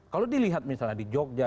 kalau dilihat misalnya di jogja